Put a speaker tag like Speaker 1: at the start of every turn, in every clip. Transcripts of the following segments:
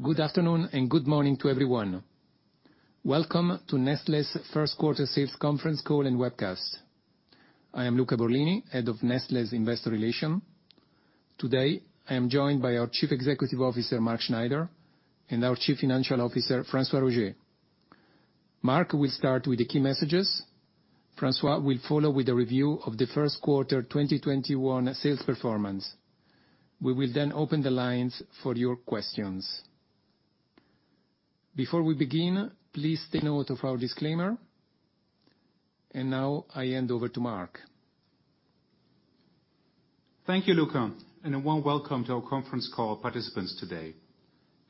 Speaker 1: Good afternoon and good morning to everyone. Welcome to Nestlé's first quarter sales conference call and webcast. I am Luca Borlini, Head of Nestlé's Investor Relations. Today, I am joined by our Chief Executive Officer, Mark Schneider, and our Chief Financial Officer, François Roger. Mark will start with the key messages. François will follow with a review of the first quarter 2021 sales performance. We will then open the lines for your questions. Before we begin, please take note of our disclaimer. Now I hand over to Mark.
Speaker 2: Thank you, Luca, and a warm welcome to our conference call participants today.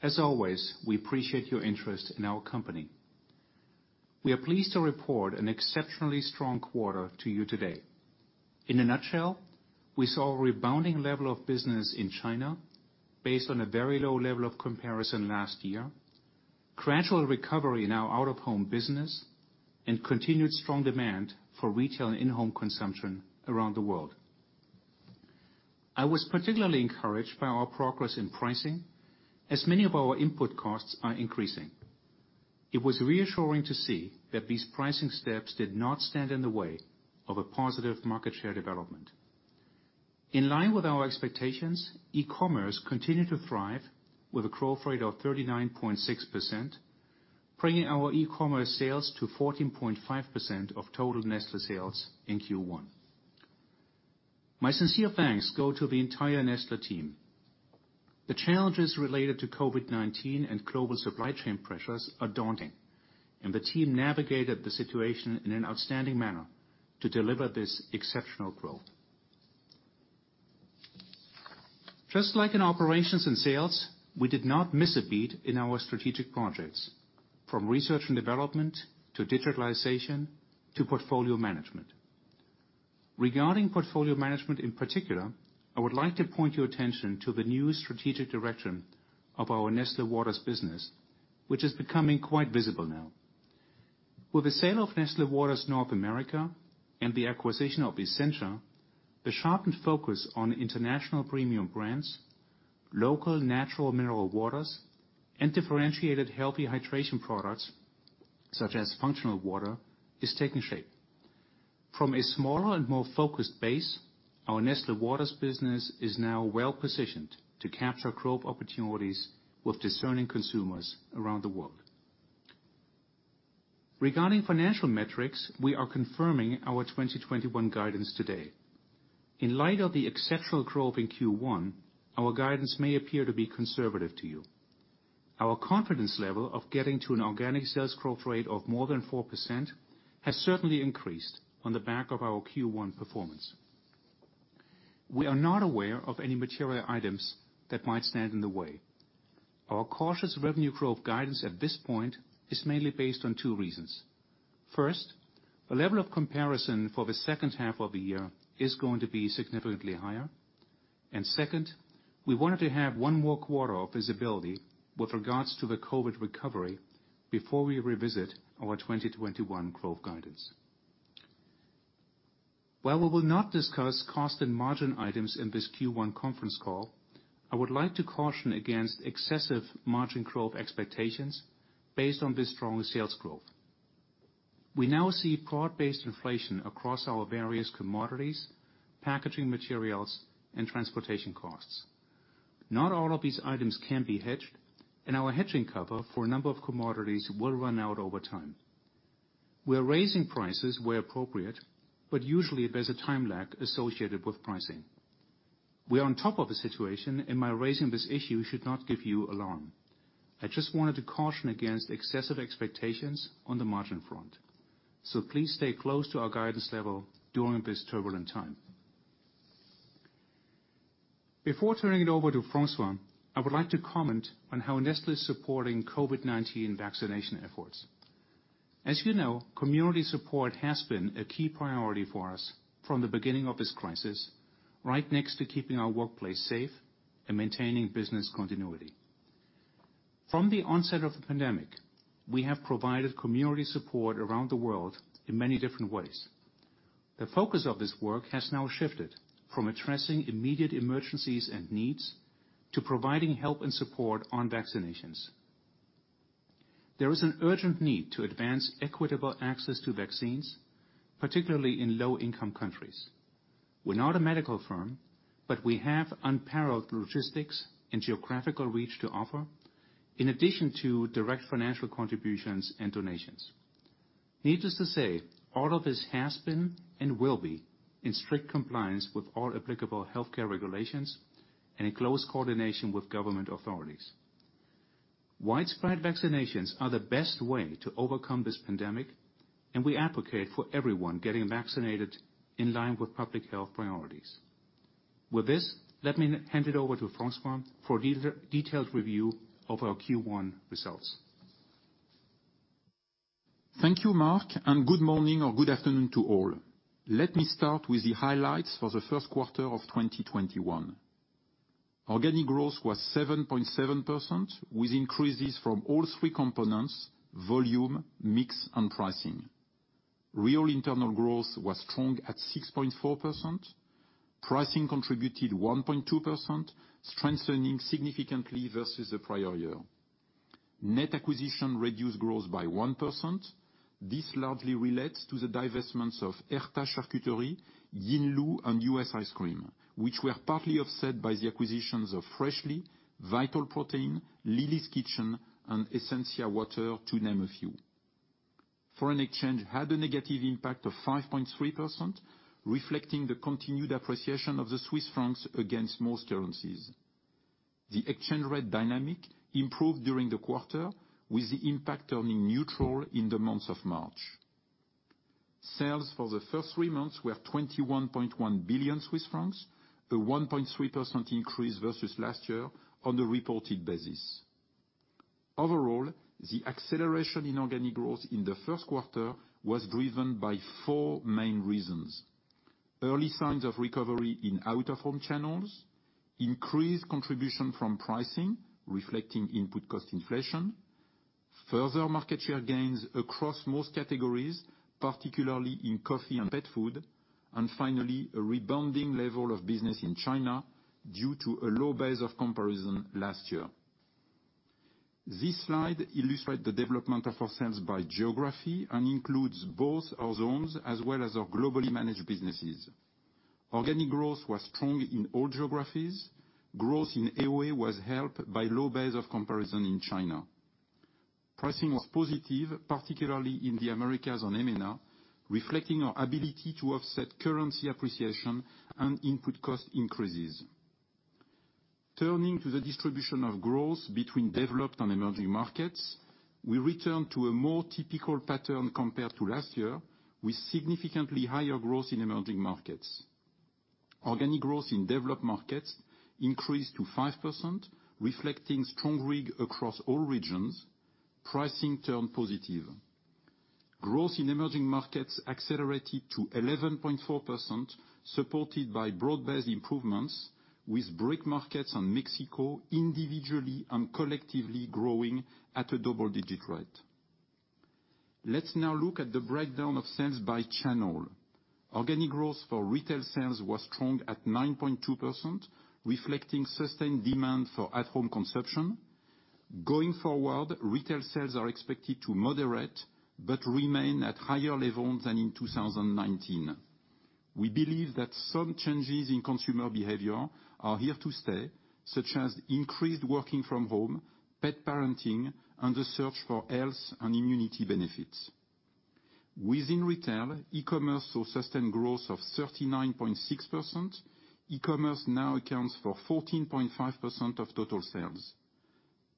Speaker 2: As always, we appreciate your interest in our company. We are pleased to report an exceptionally strong quarter to you today. In a nutshell, we saw a rebounding level of business in China based on a very low level of comparison last year, gradual recovery in our out-of-home business, and continued strong demand for retail and in-home consumption around the world. I was particularly encouraged by our progress in pricing, as many of our input costs are increasing. It was reassuring to see that these pricing steps did not stand in the way of a positive market share development. In line with our expectations, e-commerce continued to thrive with a growth rate of 39.6%, bringing our e-commerce sales to 14.5% of total Nestlé sales in Q1. My sincere thanks go to the entire Nestlé team. The challenges related to COVID-19 and global supply chain pressures are daunting, and the team navigated the situation in an outstanding manner to deliver this exceptional growth. Just like in operations and sales, we did not miss a beat in our strategic projects, from research and development to digitalization to portfolio management. Regarding portfolio management in particular, I would like to point your attention to the new strategic direction of our Nestlé Waters business, which is becoming quite visible now. With the sale of Nestlé Waters North America and the acquisition of Essentia, the sharpened focus on international premium brands, local natural mineral waters, and differentiated healthy hydration products, such as functional water, is taking shape. From a smaller and more focused base, our Nestlé Waters business is now well positioned to capture growth opportunities with discerning consumers around the world. Regarding financial metrics, we are confirming our 2021 guidance today. In light of the exceptional growth in Q1, our guidance may appear to be conservative to you. Our confidence level of getting to an organic sales growth rate of more than 4% has certainly increased on the back of our Q1 performance. We are not aware of any material items that might stand in the way. Our cautious revenue growth guidance at this point is mainly based on two reasons. First, the level of comparison for the second half of the year is going to be significantly higher. Second, we wanted to have one more quarter of visibility with regards to the COVID recovery before we revisit our 2021 growth guidance. While we will not discuss cost and margin items in this Q1 conference call, I would like to caution against excessive margin growth expectations based on this strong sales growth. We now see broad-based inflation across our various commodities, packaging materials, and transportation costs. Not all of these items can be hedged, and our hedging cover for a number of commodities will run out over time. We're raising prices where appropriate, usually there's a time lag associated with pricing. We are on top of the situation, my raising this issue should not give you alarm. I just wanted to caution against excessive expectations on the margin front, please stay close to our guidance level during this turbulent time. Before turning it over to François, I would like to comment on how Nestlé is supporting COVID-19 vaccination efforts. As you know, community support has been a key priority for us from the beginning of this crisis, right next to keeping our workplace safe and maintaining business continuity. From the onset of the pandemic, we have provided community support around the world in many different ways. The focus of this work has now shifted from addressing immediate emergencies and needs to providing help and support on vaccinations. There is an urgent need to advance equitable access to vaccines, particularly in low-income countries. We're not a medical firm, but we have unparalleled logistics and geographical reach to offer, in addition to direct financial contributions and donations. Needless to say, all of this has been and will be in strict compliance with all applicable healthcare regulations and in close coordination with government authorities. Widespread vaccinations are the best way to overcome this pandemic, and we advocate for everyone getting vaccinated in line with public health priorities. With this, let me hand it over to François for a detailed review of our Q1 results.
Speaker 3: Thank you, Mark, and good morning or good afternoon to all. Let me start with the highlights for the first quarter of 2021. Organic growth was 7.7% with increases from all three components, volume, mix, and pricing. Real internal growth was strong at 6.4%. Pricing contributed 1.2%, strengthening significantly versus the prior year. Net acquisition reduced growth by 1%. This largely relates to the divestments of Herta Charcuterie, Yinlu, and U.S. ice cream, which were partly offset by the acquisitions of Freshly, Vital Proteins, Lily's Kitchen, and Essentia Water, to name a few. Foreign exchange had a negative impact of 5.3%, reflecting the continued appreciation of the Swiss francs against most currencies. The exchange rate dynamic improved during the quarter, with the impact turning neutral in the month of March. Sales for the first three months were 21.1 billion Swiss francs, a 1.3% increase versus last year on the reported basis. Overall, the acceleration in organic growth in the first quarter was driven by four main reasons. Early signs of recovery in out-of-home channels, increased contribution from pricing reflecting input cost inflation, further market share gains across most categories, particularly in coffee and pet food, and finally, a rebounding level of business in China due to a low base of comparison last year. This slide illustrates the development of our sales by geography and includes both our zones as well as our globally managed businesses. Organic growth was strong in all geographies. Growth in AOA was helped by low base of comparison in China. Pricing was positive, particularly in the Americas and EMENA, reflecting our ability to offset currency appreciation and input cost increases. Turning to the distribution of growth between developed and emerging markets, we return to a more typical pattern compared to last year, with significantly higher growth in emerging markets. Organic growth in developed markets increased to 5%, reflecting strong RIG across all regions. Pricing turned positive. Growth in emerging markets accelerated to 11.4%, supported by broad-based improvements, with BRIC markets and Mexico individually and collectively growing at a double-digit rate. Let's now look at the breakdown of sales by channel. Organic growth for retail sales was strong at 9.2%, reflecting sustained demand for at-home consumption. Going forward, retail sales are expected to moderate but remain at higher levels than in 2019. We believe that some changes in consumer behavior are here to stay, such as increased working from home, pet parenting, and the search for health and immunity benefits. Within retail, e-commerce saw sustained growth of 39.6%. E-commerce now accounts for 14.5% of total sales.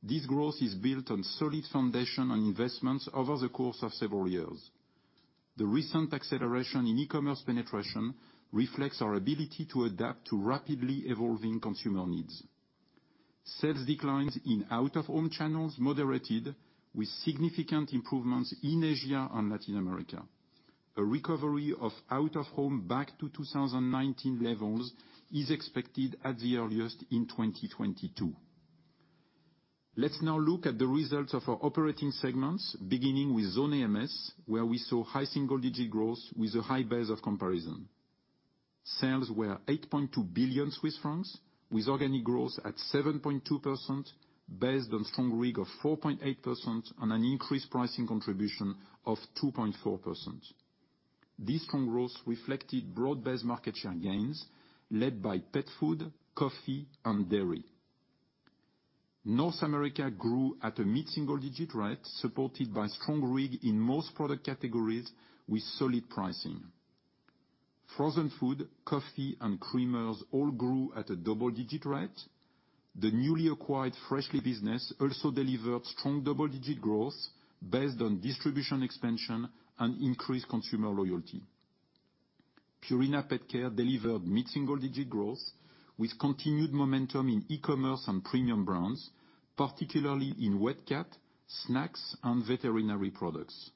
Speaker 3: This growth is built on solid foundation and investments over the course of several years. The recent acceleration in e-commerce penetration reflects our ability to adapt to rapidly evolving consumer needs. Sales declines in out-of-home channels moderated, with significant improvements in Asia and Latin America. A recovery of out-of-home back to 2019 levels is expected at the earliest in 2022. Let's now look at the results of our operating segments, beginning with Zone AMS, where we saw high single-digit growth with a high base of comparison. Sales were 8.2 billion Swiss francs, with organic growth at 7.2%, based on strong RIG of 4.8% and an increased pricing contribution of 2.4%. This strong growth reflected broad-based market share gains led by pet food, coffee, and dairy. North America grew at a mid-single-digit rate, supported by strong RIG in most product categories with solid pricing. Frozen food, coffee, and creamers all grew at a double-digit rate. The newly acquired Freshly business also delivered strong double-digit growth based on distribution expansion and increased consumer loyalty. Purina PetCare delivered mid-single-digit growth with continued momentum in e-commerce and premium brands, particularly in wet cat, snacks, and veterinary products.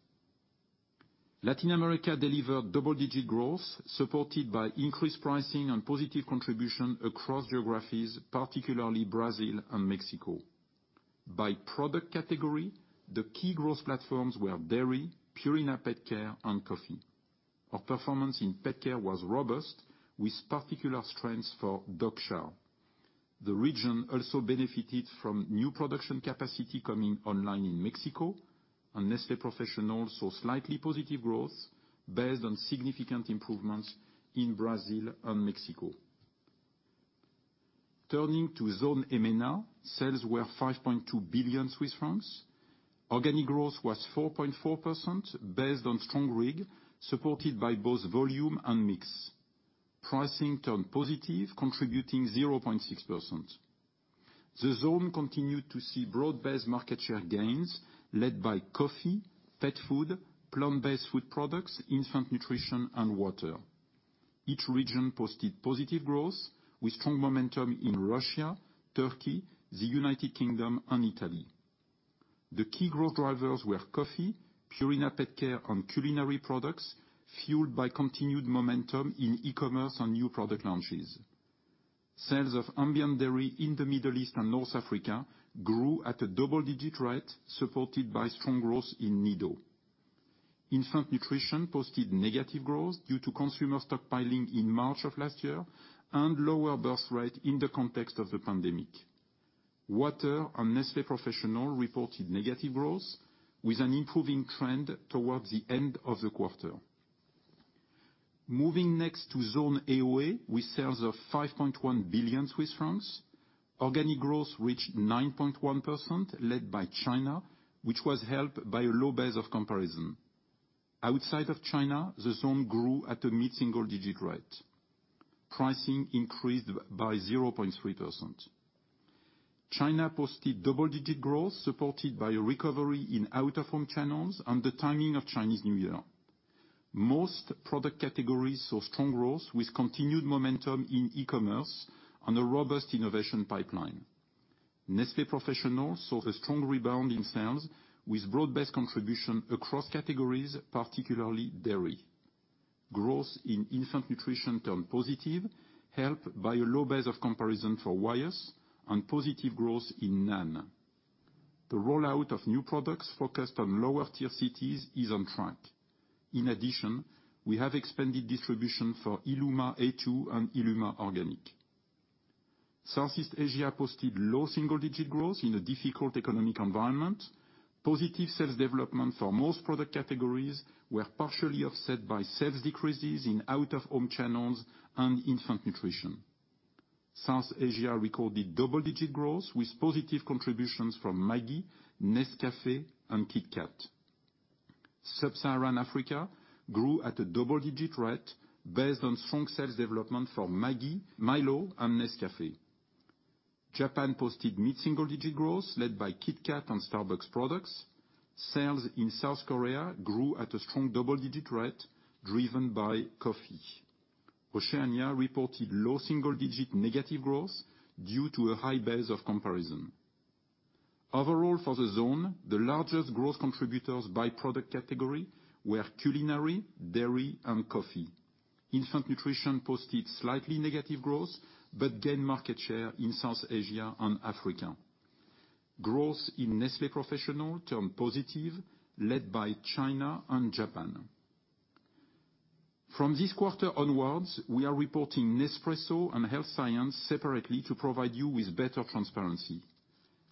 Speaker 3: Latin America delivered double-digit growth, supported by increased pricing and positive contribution across geographies, particularly Brazil and Mexico. By product category, the key growth platforms were dairy, Purina PetCare, and coffee. Our performance in PetCare was robust, with particular strengths for Dog Chow. The region also benefited from new production capacity coming online in Mexico. Nestlé Professional saw slightly positive growth based on significant improvements in Brazil and Mexico. Turning to Zone EMENA, sales were 5.2 billion Swiss francs. Organic growth was 4.4%, based on strong RIG, supported by both volume and mix. Pricing turned positive, contributing 0.6%. The zone continued to see broad-based market share gains led by coffee, pet food, plant-based food products, infant nutrition, and water. Each region posted positive growth with strong momentum in Russia, Turkey, the United Kingdom, and Italy. The key growth drivers were coffee, Purina PetCare, and culinary products, fueled by continued momentum in e-commerce and new product launches. Sales of ambient dairy in the Middle East and North Africa grew at a double-digit rate, supported by strong growth in Nido. Infant nutrition posted negative growth due to consumer stockpiling in March of last year and lower birthrate in the context of the pandemic. Water and Nestlé Professional reported negative growth, with an improving trend towards the end of the quarter. Moving next to Zone AOA, with sales of 5.1 billion Swiss francs. Organic growth reached 9.1%, led by China, which was helped by a low base of comparison. Outside of China, the zone grew at a mid-single digit rate. Pricing increased by 0.3%. China posted double-digit growth, supported by a recovery in out-of-home channels and the timing of Chinese New Year. Most product categories saw strong growth, with continued momentum in e-commerce and a robust innovation pipeline. Nestlé Professional saw a strong rebound in sales, with broad-based contribution across categories, particularly dairy. Growth in infant nutrition turned positive, helped by a low base of comparison for Wyeth and positive growth in NAN. The rollout of new products focused on lower-tier cities is on track. In addition, we have expanded distribution for ILLUMA A2 and ILLUMA Organic. Southeast Asia posted low single-digit growth in a difficult economic environment. Positive sales development for most product categories were partially offset by sales decreases in out-of-home channels and infant nutrition. South Asia recorded double-digit growth with positive contributions from Maggi, Nescafé, and KitKat. Sub-Saharan Africa grew at a double-digit rate based on strong sales development from Maggi, Milo, and Nescafé. Japan posted mid single-digit growth led by KitKat and Starbucks products. Sales in South Korea grew at a strong double-digit rate driven by coffee. Oceania reported low single-digit negative growth due to a high base of comparison. Overall for the zone, the largest growth contributor by product category were culinary, dairy, and coffee. Infant nutrition posted slightly negative growth but gain market share in South Asia and Africa. Growth in Nestlé Professional turned positive led by China and Japan. From this quarter onwards, we are reporting Nespresso and Health Science separately to provide you with better transparency.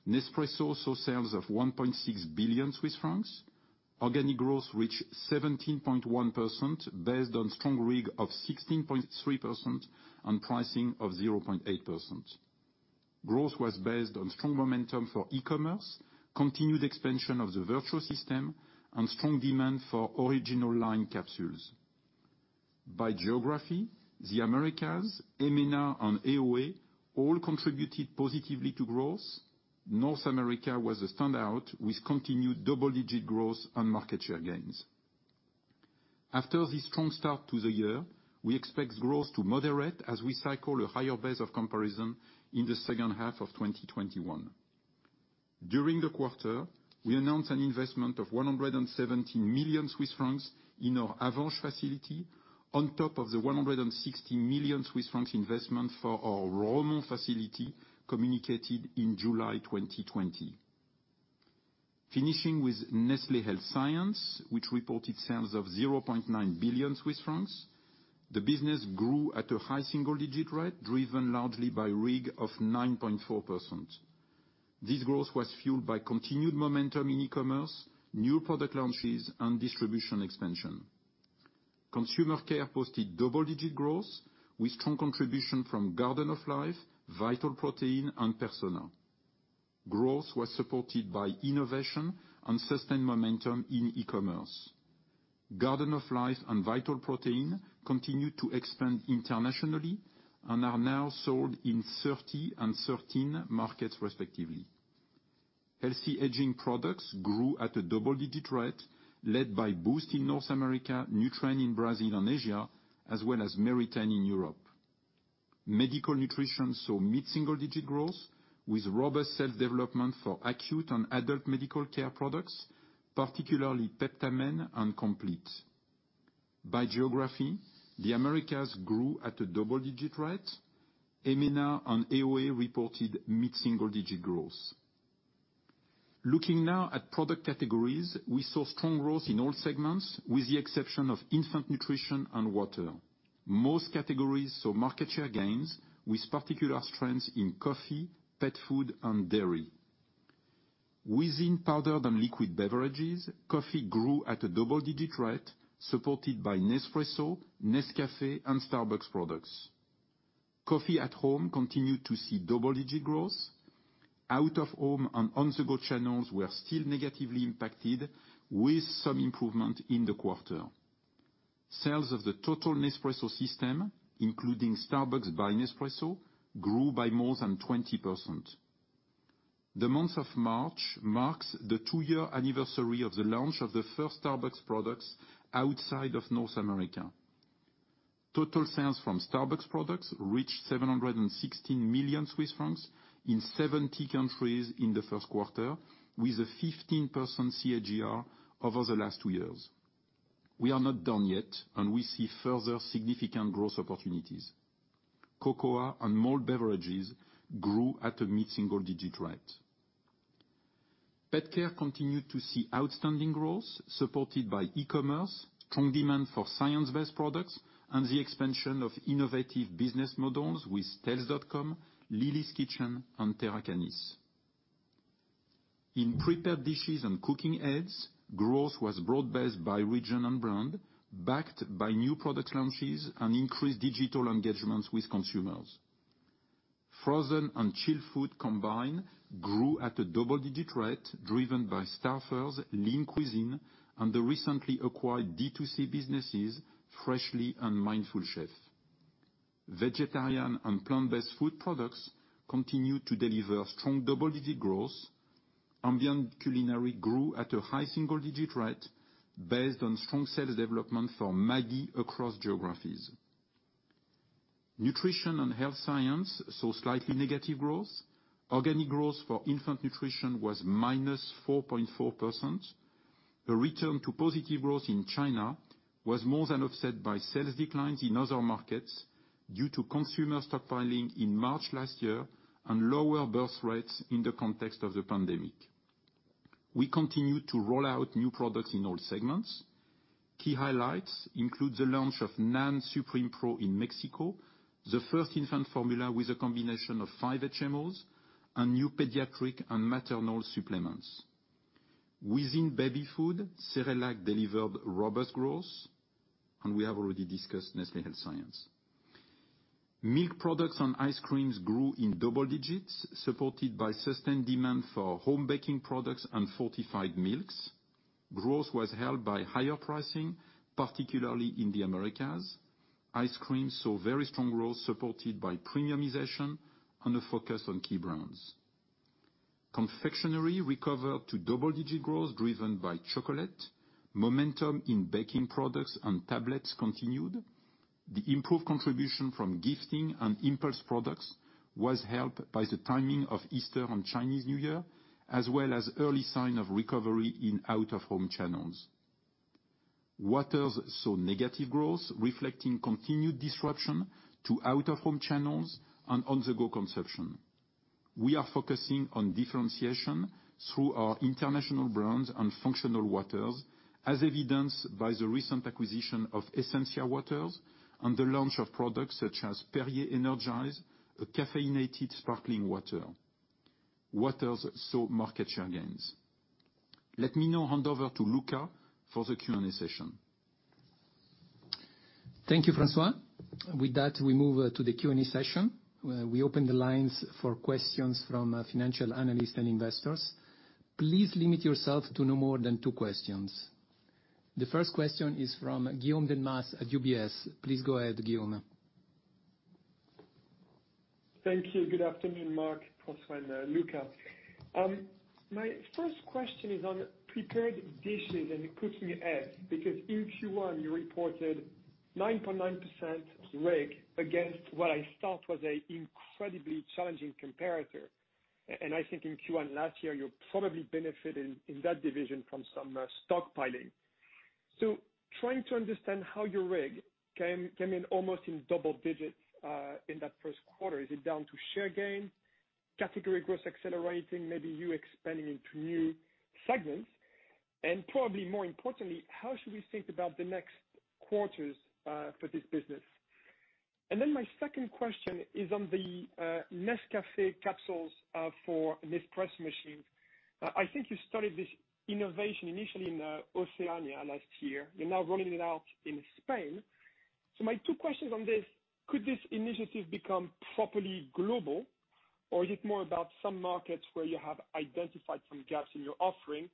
Speaker 3: Nespresso saw sales of 1.6 billion Swiss francs. Organic growth which 17.1% based on strong RIG of 16.3% and pricing of 0.8%. Growth was based on strong momentum for e-commerce, continued expansion of the Vertuo system, and strong demands for Original line capsules. By geography, the Americas, EMENA, and AOA all contributed positively to growth. North America was a standout with continued double-digit growth on market share gains. After this strong start to the year, we expect growth to moderate as we cycle a higher base of comparison in the second half of 2021. During the quarter, we announced an investment of 117 million Swiss francs in our Avenches facility, on top of the 160 million Swiss francs investment for our Romont facility, communicated in July 2020. Finishing with Nestlé Health Science, which reported sales of 0.9 billion Swiss francs. The business grew at a high single-digit rate, driven largely by RIG of 9.4%. This growth was fueled by continued momentum in e-commerce, new product launches, and distribution expansion. Consumer care posted double-digit growth, with strong contribution from Garden of Life, Vital Proteins, and Persona. Growth was supported by innovation and sustained momentum in e-commerce. Garden of Life and Vital Proteins continue to expand internationally and are now sold in 30 and 13 markets respectively. Healthy aging products grew at a double-digit rate, led by BOOST in North America, Nutren in Brazil and Asia, as well as Meritene in Europe. Medical nutrition saw mid-single digit growth, with robust sales development for acute and adult medical care products, particularly Peptamen and Compleat. By geography, the Americas grew at a double-digit rate. EMENA and AOA reported mid-single digit growth. Looking now at product categories, we saw strong growth in all segments, with the exception of infant nutrition and water. Most categories saw market share gains, with particular strengths in coffee, pet food and dairy. Within powder and liquid beverages, coffee grew at a double-digit rate, supported by Nespresso, Nescafé, and Starbucks products. Coffee at home continued to see double-digit growth. Out-of-home and on-the-go channels were still negatively impacted, with some improvement in the quarter. Sales of the total Nespresso system, including Starbucks by Nespresso, grew by more than 20%. The month of March marks the two-year anniversary of the launch of the first Starbucks products outside of North America. Total sales from Starbucks products reached 716 million Swiss francs in 70 countries in the first quarter, with a 15% CAGR over the last two years. We are not done yet, and we see further significant growth opportunities. Cocoa and malt beverages grew at a mid-single digit rate. PetCare continued to see outstanding growth supported by e-commerce, strong demand for science-based products, and the expansion of innovative business models with Tails.com, Lily's Kitchen, and Terra Canis. In prepared dishes and cooking aids, growth was broad-based by region and brand, backed by new product launches and increased digital engagements with consumers. Frozen and chilled food combined grew at a double-digit rate, driven by Stouffer's, Lean Cuisine, and the recently acquired D2C businesses, Freshly and Mindful Chef. Vegetarian and plant-based food products continue to deliver strong double-digit growth. Ambient culinary grew at a high single-digit rate based on strong sales development for Maggi across geographies. Nutrition and Health Science saw slightly negative growth. Organic growth for infant nutrition was -4.4%. The return to positive growth in China was more than offset by sales declines in other markets due to consumer stockpiling in March last year and lower birth rates in the context of the pandemic. We continue to roll out new products in all segments. Key highlights include the launch of NAN Supreme Pro in Mexico, the first infant formula with a combination of five HMOs, and new pediatric and maternal supplements. Within baby food, Cerelac delivered robust growth, and we have already discussed Nestlé Health Science. Milk products and ice creams grew in double-digits, supported by sustained demand for home baking products and fortified milks. Growth was held by higher pricing, particularly in the Americas. Ice cream saw very strong growth, supported by premiumization and a focus on key brands. Confectionery recovered to double-digit growth driven by chocolate. Momentum in baking products and tablets continued. The improved contribution from gifting and impulse products was helped by the timing of Easter and Chinese New Year, as well as early sign of recovery in out-of-home channels. Waters saw negative growth, reflecting continued disruption to out-of-home channels and on-the-go consumption. We are focusing on differentiation through our international brands and functional waters, as evidenced by the recent acquisition of Essentia Waters and the launch of products such as Perrier Energize, a caffeinated sparkling water. Waters saw market share gains. Let me now hand over to Luca for the Q&A session.
Speaker 1: Thank you, François. With that, we move to the Q&A session. We open the lines for questions from financial analysts and investors. Please limit yourself to no more than two questions. The first question is from Guillaume Delmas at UBS. Please go ahead, Guillaume.
Speaker 4: Thank you. Good afternoon, Mark, François, and Luca. My first question is on prepared dishes and cooking aids, because in Q1, you reported 9.9% RIG against what I thought was an incredibly challenging comparator. I think in Q1 last year, you probably benefited in that division from some stockpiling. Trying to understand how your RIG came in almost in double-digits in that first quarter. Is it down to share gain, category growth accelerating, maybe you expanding into new segments? Probably more importantly, how should we think about the next quarters for this business? My second question is on the Nescafé capsules for Nespresso machines. I think you started this innovation initially in Oceania last year. You're now rolling it out in Spain. My two questions on this, could this initiative become properly global, or is it more about some markets where you have identified some gaps in your offering?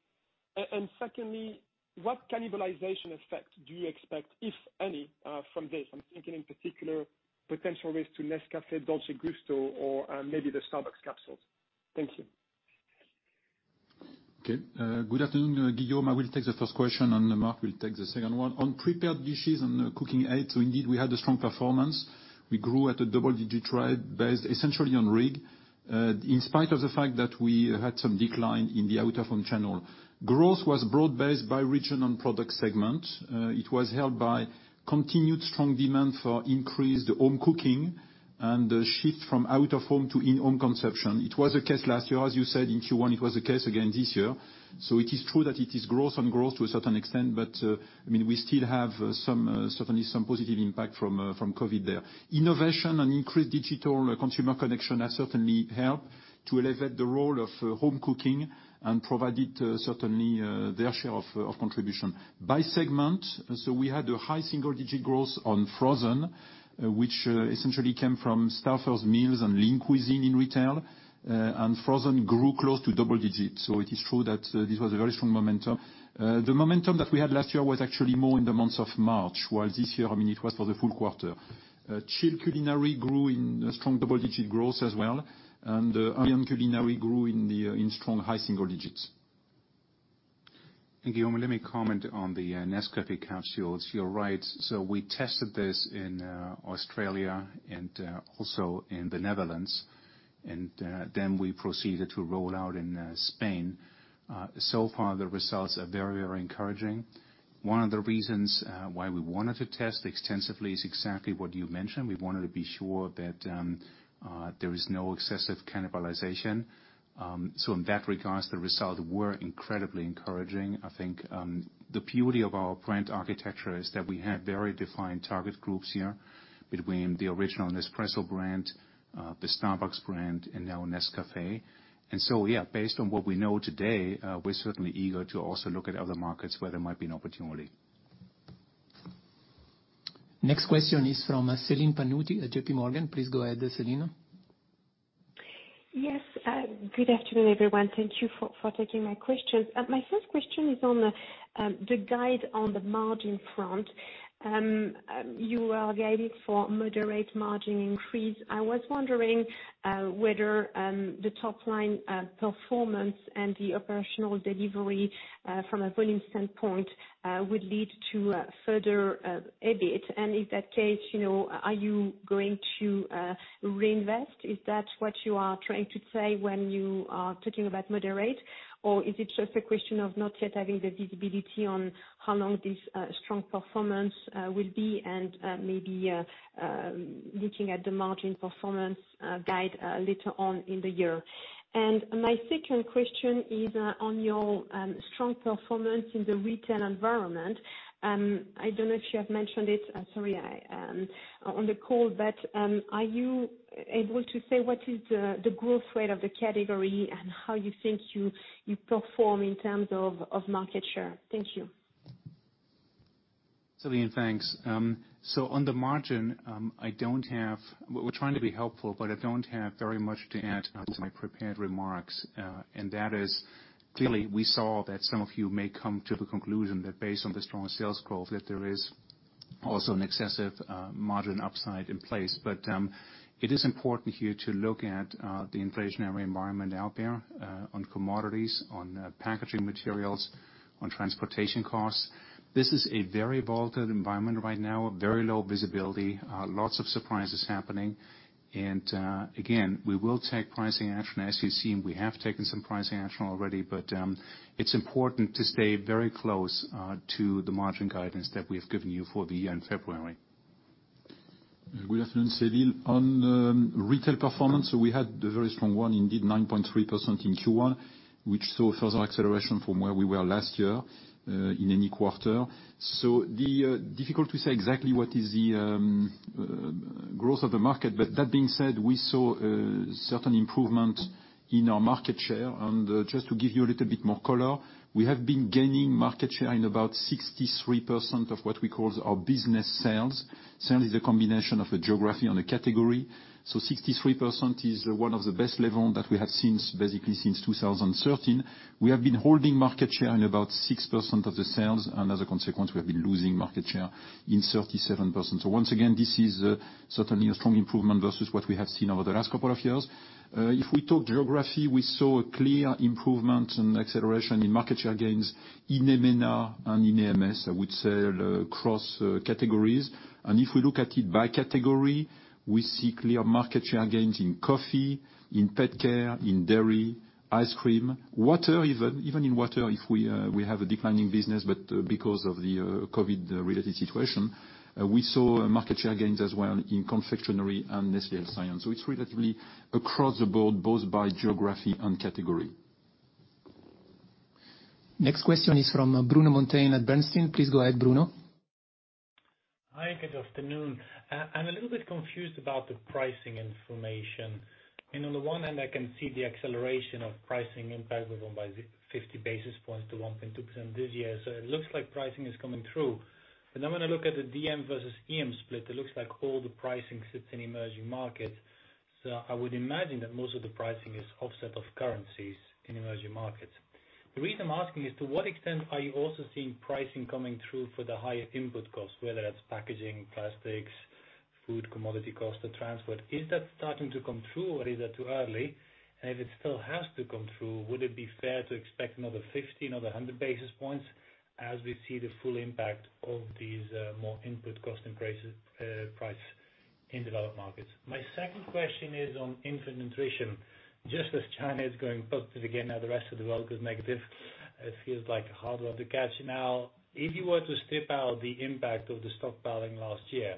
Speaker 4: And secondly, what cannibalization effect do you expect, if any, from this? I'm thinking in particular potential risk to Nescafé Dolce Gusto or, maybe the Starbucks capsules. Thank you.
Speaker 3: Good afternoon, Guillaume. I will take the first question, and Mark will take the second one. On prepared dishes and cooking aids, indeed, we had a strong performance. We grew at a double-digit rate based essentially on RIG, in spite of the fact that we had some decline in the out-of-home channel. Growth was broad-based by region and product segment. It was held by continued strong demand for increased home cooking and a shift from out-of-home to in-home consumption. It was the case last year, as you said, in Q1. It was the case again this year. It is true that it is growth on growth to a certain extent, but, I mean, we still have certainly some positive impact from COVID there. Innovation and increased digital consumer connection has certainly helped to elevate the role of home cooking and provided certainly their share of contribution. By segment, we had a high single-digit growth on frozen, which essentially came from Stouffer's meals and Lean Cuisine in retail, and frozen grew close to double-digits. It is true that this was a very strong momentum. The momentum that we had last year was actually more in the months of March, while this year, I mean, it was for the full quarter. Chilled culinary grew in strong double-digit growth as well, and ambient culinary grew in strong high single-digits.
Speaker 2: Guillaume, let me comment on the Nescafé capsules. You're right. We tested this in Australia and also in the Netherlands, then we proceeded to roll out in Spain. So far, the results are very encouraging. One of the reasons why we wanted to test extensively is exactly what you mentioned. We wanted to be sure that there is no excessive cannibalization. In that regard, the results were incredibly encouraging. I think the beauty of our brand architecture is that we have very defined target groups here between the original Nespresso brand, the Starbucks brand, and now Nescafé. Based on what we know today, we're certainly eager to also look at other markets where there might be an opportunity.
Speaker 1: Next question is from Celine Pannuti at JPMorgan. Please go ahead, Celine.
Speaker 5: Yes. Good afternoon, everyone. Thank you for taking my questions. My first question is on the guide on the margin front. You are guiding for moderate margin increase. I was wondering whether the top-line performance and the operational delivery from a volume standpoint would lead to further EBIT. If that case, are you going to reinvest? Is that what you are trying to say when you are talking about moderate? Is it just a question of not yet having the visibility on how long this strong performance will be and maybe looking at the margin performance guide later on in the year? My second question is on your strong performance in the retail environment. I don't know if you have mentioned it on the call, but are you able to say what is the growth rate of the category and how you think you perform in terms of market share? Thank you.
Speaker 2: Celine, thanks. On the margin, we're trying to be helpful, but I don't have very much to add to my prepared remarks. That is, clearly, we saw that some of you may come to the conclusion that based on the strong sales growth, that there is also an excessive margin upside in place. It is important here to look at the inflationary environment out there on commodities, on packaging materials, on transportation costs. This is a very volatile environment right now, very low visibility, lots of surprises happening. Again, we will take pricing action. As you've seen, we have taken some pricing action already. It's important to stay very close to the margin guidance that we have given you for the year in February.
Speaker 3: Good afternoon, Celine. On retail performance, we had a very strong one, indeed, 9.3% in Q1, which saw further acceleration from where we were last year in any quarter. Difficult to say exactly what is the growth of the market, but that being said, we saw a certain improvement in our market share. Just to give you a little bit more color, we have been gaining market share in about 63% of what we call our business cells. Cells is a combination of the geography and the category. 63% is one of the best levels that we have seen basically since 2013. We have been holding market share in about 6% of the sales, and as a consequence, we have been losing market share in 37%. Once again, this is certainly a strong improvement versus what we have seen over the last couple of years. If we talk geography, we saw a clear improvement and acceleration in market share gains in EMENA and in AMS, I would say, across categories. If we look at it by category, we see clear market share gains in coffee, in PetCare, in dairy, ice cream, water even. Even in water, we have a declining business, but because of the COVID-19-related situation, we saw market share gains as well in confectionery and Nestlé Health Science. So it's relatively across the board, both by geography and category.
Speaker 1: Next question is from Bruno Monteyne at Bernstein. Please go ahead, Bruno.
Speaker 6: Hi, good afternoon. I'm a little bit confused about the pricing information. On the one hand, I can see the acceleration of pricing impact driven by 50 basis points to 1.2% this year. It looks like pricing is coming through. Now when I look at the DM versus EM split, it looks like all the pricing sits in emerging markets. I would imagine that most of the pricing is offset of currencies in emerging markets. The reason I'm asking is, to what extent are you also seeing pricing coming through for the higher input costs, whether that's packaging, plastics, food commodity costs, the transport? Is that starting to come through or is that too early? If it still has to come through, would it be fair to expect another 50, another 100 basis points as we see the full impact of these more input cost increases price in developed markets? My second question is on infant nutrition. Just as China is going positive again, now the rest of the world goes negative. It feels like a hard one to catch. If you were to strip out the impact of the stockpiling last year,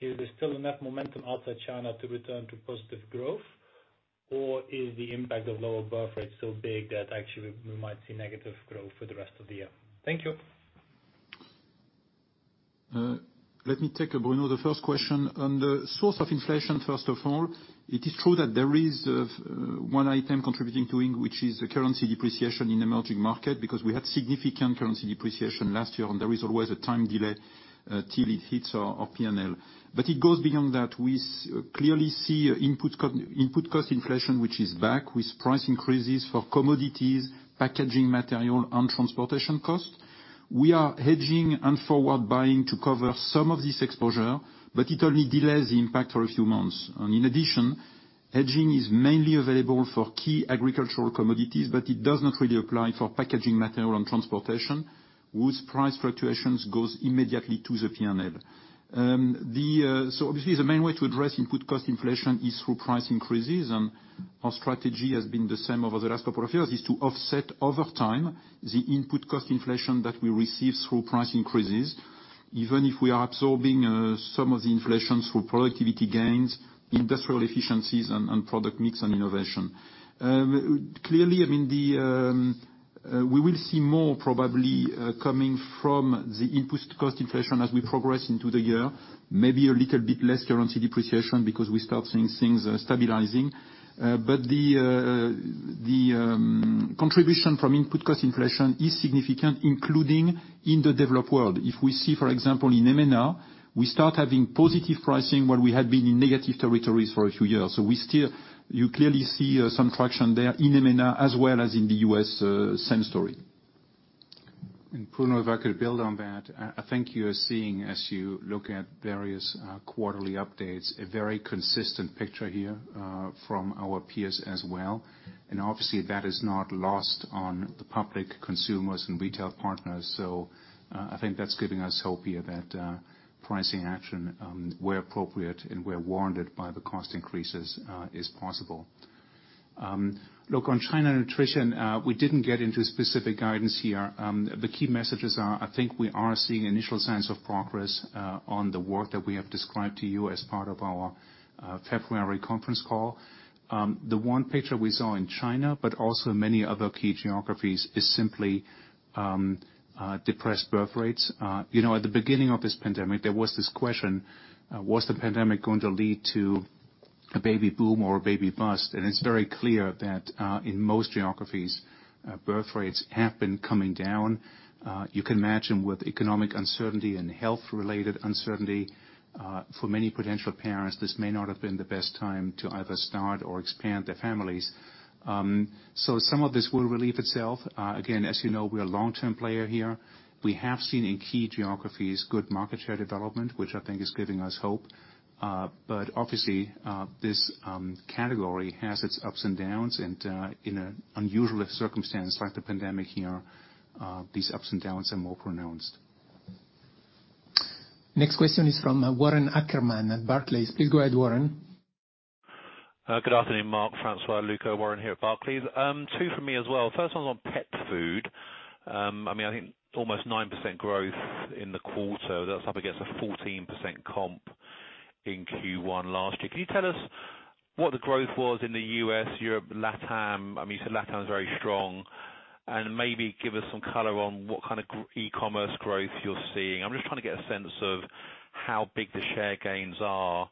Speaker 6: is there still enough momentum outside China to return to positive growth? Is the impact of lower birth rates so big that actually we might see negative growth for the rest of the year? Thank you.
Speaker 3: Let me take, Bruno, the first question. On the source of inflation, first of all, it is true that there is one item contributing to it, which is the currency depreciation in emerging market, because we had significant currency depreciation last year, and there is always a time delay till it hits our P&L. It goes beyond that. We clearly see input cost inflation, which is back with price increases for commodities, packaging material, and transportation costs. We are hedging and forward-buying to cover some of this exposure, but it only delays the impact for a few months. In addition, hedging is mainly available for key agricultural commodities, but it does not really apply for packaging material and transportation, whose price fluctuations goes immediately to the P&L. Obviously, the main way to address input cost inflation is through price increases, and our strategy has been the same over the last couple of years, is to offset over time the input cost inflation that we receive through price increases, even if we are absorbing some of the inflations through productivity gains, industrial efficiencies and product mix and innovation. We will see more probably coming from the input cost inflation as we progress into the year, maybe a little bit less currency depreciation because we start seeing things stabilizing. The contribution from input cost inflation is significant, including in the developed world. If we see, for example, in EMENA, we start having positive pricing where we had been in negative territories for a few years. You clearly see some traction there in EMENA as well as in the U.S., same story.
Speaker 2: Bruno, if I could build on that. I think you are seeing, as you look at various quarterly updates, a very consistent picture here from our peers as well. Obviously, that is not lost on the public consumers and retail partners. I think that's giving us hope here that pricing action, where appropriate and where warranted by the cost increases, is possible. Look, on China nutrition, we didn't get into specific guidance here. The key messages are, I think we are seeing initial signs of progress on the work that we have described to you as part of our February conference call. The one picture we saw in China, but also many other key geographies, is simply depressed birth rates. At the beginning of this pandemic, there was this question, was the pandemic going to lead to a baby boom or a baby bust? It's very clear that in most geographies, birth rates have been coming down. You can imagine with economic uncertainty and health-related uncertainty, for many potential parents, this may not have been the best time to either start or expand their families. Some of this will relieve itself. Again, as you know, we're a long-term player here. We have seen in key geographies, good market share development, which I think is giving us hope. Obviously, this category has its ups and downs, and in an unusual circumstance like the pandemic here, these ups and downs are more pronounced.
Speaker 1: Next question is from Warren Ackerman at Barclays. Please go ahead, Warren.
Speaker 7: Good afternoon, Mark, François, Luca. Warren here at Barclays. Two from me as well. First one's on pet food. I think almost 9% growth in the quarter. That's up against a 14% comp in Q1 last year. Can you tell us what the growth was in the U.S., Europe, LATAM? You said LATAM is very strong. Maybe give us some color on what kind of e-commerce growth you're seeing. I'm just trying to get a sense of how big the share gains are,